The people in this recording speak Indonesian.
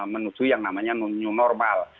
menuju yang namanya new normal